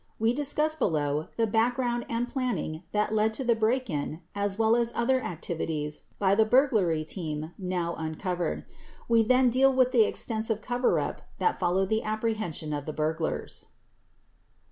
We discuss below the background and planning that led to the break in as well as other activities by the burglary team now uncovered. We then deal with the extensive coverup that followed the apprehension of the burglars.